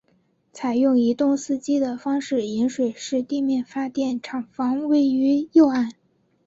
采用一洞四机的方式引水式地面发电厂房位于右岸。